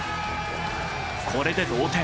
これで同点。